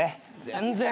全然。